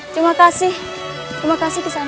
terima kasih terima kasih ke sana